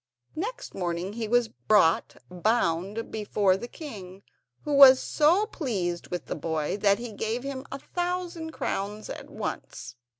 Next morning he was brought bound before the king, who was so pleased with the boy that he gave him a thousand crowns at once.